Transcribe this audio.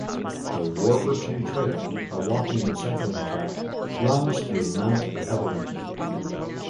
The Warburton Trail, a walking and cycling track, runs through Mount Evelyn.